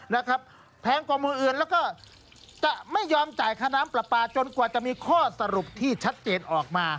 นะครับแพงกว่ามืออื่นแล้วก็จะไม่ยอมจ่ายค่าน้ำปลาปลาจนกว่าจะมีข้อสรุปที่ชัดเจนออกมา